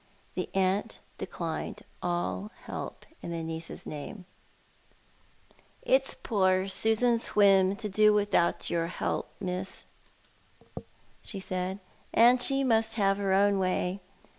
The aunt declined all help in tho niece's name. "It's poor Susan's whim to do without your help, Miss," she 1 86 Thou art the Man. said, " and she must have her own way.